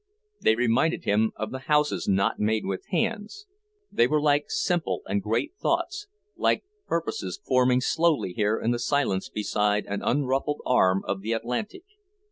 They reminded him of the houses not made with hands; they were like simple and great thoughts, like purposes forming slowly here in the silence beside an unruffled arm of the Atlantic.